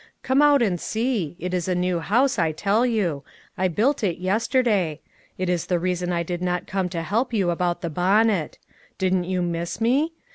" Come out and see. It is a new house, I tell you ; I built it yesterday ; that is the reason I did not come to help yon about the bonnet. Didn't you miss me?